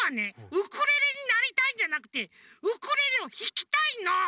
ウクレレになりたいんじゃなくてウクレレをひきたいの！